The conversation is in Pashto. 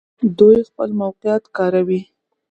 دوی خپل موقعیت کاروي.